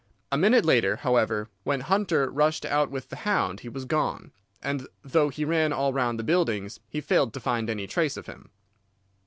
A minute later, however, when Hunter rushed out with the hound he was gone, and though he ran all round the buildings he failed to find any trace of him."